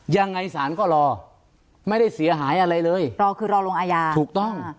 ยังไงสารก็รอไม่ได้เสียหายอะไรเลยรอคือรอลงอาญาถูกต้อง